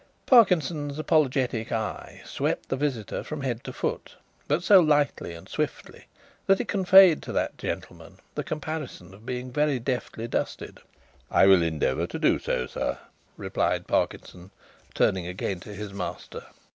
Parkinson's apologetic eye swept the visitor from head to foot, but so lightly and swiftly that it conveyed to that gentleman the comparison of being very deftly dusted. "I will endeavour to do so, sir," replied Parkinson, turning again to his master.